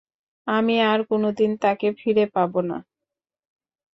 আমি আর কোনোদিন তাকে ফিরে পাব না।